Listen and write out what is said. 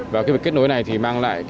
và cái kết nối này thì mang lại